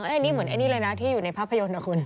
อันนี้เหมือนอันนี้เลยนะที่อยู่ในภาพยนตร์นะคุณ